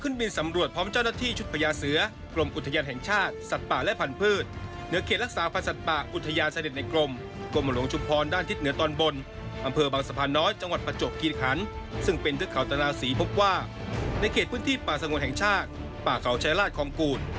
ในเขตพื้นที่ป่าสงวนแห่งชาติป่าเขาชายราชคอมกูล